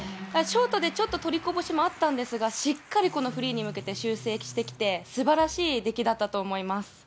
ショートでちょっと取りこぼしもあったんですが、しっかりこのフリーに向けて修正してきてて、すばらしい出来だったと思います。